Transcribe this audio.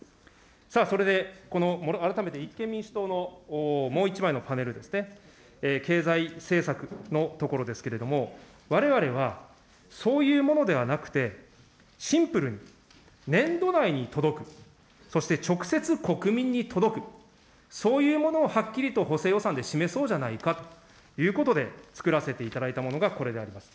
さあ、それで改めて、立憲民主党のもう１枚のパネルですね、経済政策のところですけれども、われわれはそういうものではなくて、シンプルに、年度内に届く、そして直接国民に届く、そういうものをはっきりと補正予算で示そうじゃないかということで作らせていただいたものがこれであります。